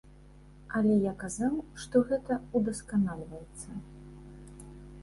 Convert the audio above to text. Але я казаў, што гэта удасканальваецца.